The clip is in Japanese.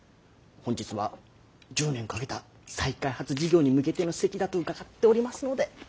本日は１０年かけた再開発事業に向けての席だと伺っておりますので。